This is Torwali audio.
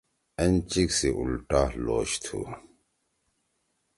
أنچِک سی اُلٹا لوش تُھو۔